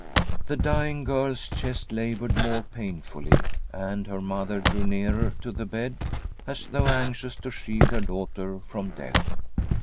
The dying girl's chest laboured more painfully, and. her mother drew nearer to the bed, as though anxious to shield her daughter from death.